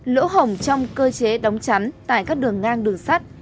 lỗ hổng trong cơ chế đóng chắn tại các đường ngang đường sắt